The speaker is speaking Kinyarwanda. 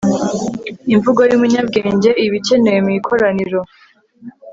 imvugo y'umunyabwenge iba ikenewe mu ikoraniro